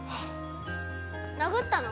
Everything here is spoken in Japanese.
殴ったの？